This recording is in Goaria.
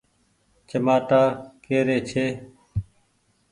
چمآٽآ ڪي ري ڇي ۔